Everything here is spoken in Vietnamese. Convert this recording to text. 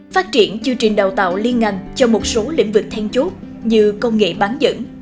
phát triển chương trình đào tạo liên ngành cho một số lĩnh vực then chốt như công nghệ bán dẫn